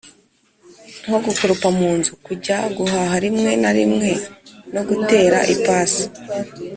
nko gukoropa mu nzu, kujya guhaha rimwe na rimwe no gutera ipasi.